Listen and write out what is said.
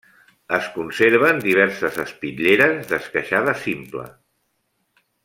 Es conserven diverses espitlleres d'esqueixada simple.